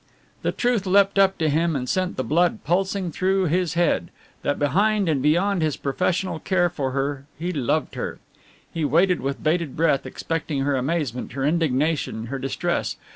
The truth leapt up to him and sent the blood pulsing through his head, that behind and beyond his professional care for her he loved her. He waited with bated breath, expecting her amazement, her indignation, her distress.